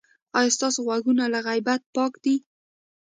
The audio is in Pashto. ایا ستاسو غوږونه له غیبت پاک دي؟